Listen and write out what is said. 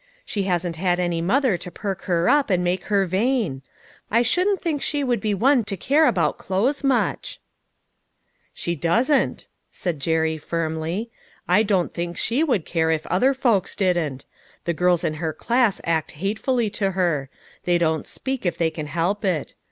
She hasn't had any mother to perk her up and make her vain. I shouldn't think she would be one to care about clothes much.'* AN OBDEAL. 295 " She doesn't," said Jerry firmly. " I don't think she would care if other folks didn't. The girls in her class act hatefully to her; they don't speak, if they can help it.